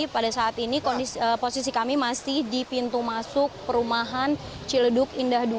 pada saat ini posisi kami masih di pintu masuk perumahan ciledug indah dua